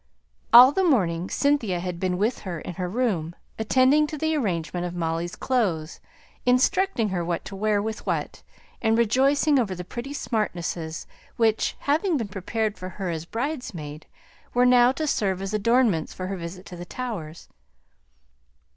All the morning Cynthia had been with her in her room, attending to the arrangement of Molly's clothes, instructing her what to wear with what, and rejoicing over the pretty smartnesses, which, having been prepared for her as bridesmaid, were now to serve as adornments for her visit to the Towers.